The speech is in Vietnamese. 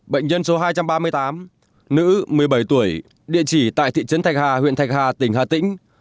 bệnh nhân số hai trăm ba mươi tám nữ một mươi bảy tuổi địa chỉ tại thị trấn thạch hà huyện thạch hà tỉnh hà tĩnh